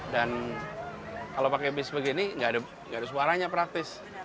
dan kalau pakai bis begini nggak ada suaranya praktis